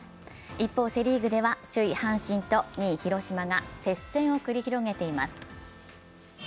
一方、セ・リーグでは首位・阪神と２位・広島が接戦を繰り広げています。